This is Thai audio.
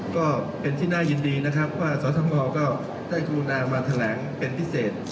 ก็เป็นที่น่ายินดีนะครับว่าสอสมก็ได้กรุณามาแถลงเป็นพิเศษ